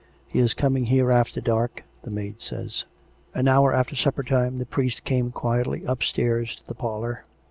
He is coming here after dark, the maid says." An hour after supper time the priest came quietly up stairs to the parlour.